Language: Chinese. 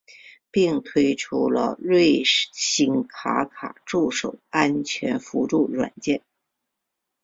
并推出了瑞星卡卡助手安全辅助软件。